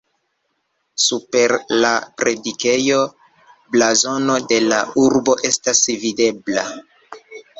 Super la predikejo blazono de la urbo estas videbla.